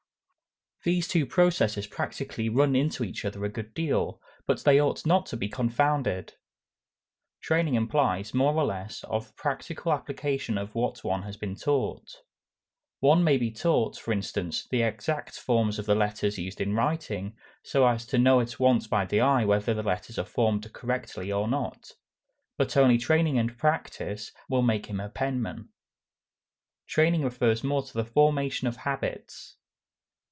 These two processes practically run into each other a good deal, but they ought not to be confounded. Training implies more or less of practical application of what one has been taught. One may be taught, for instance, the exact forms of the letters used in writing, so as to know at once by the eye whether the letters are formed correctly or not. But only training and practice will make him a penman. Training refers more to the formation of habits.